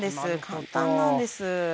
簡単なんです。